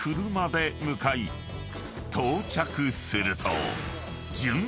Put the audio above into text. ［到着すると］